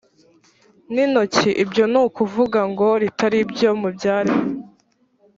n intoki ibyo ni ukuvuga ngo ritari iryo mu byaremwe